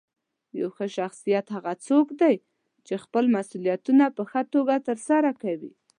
یو ښه شخصیت هغه څوک دی چې خپل مسؤلیتونه په ښه توګه ترسره کوي.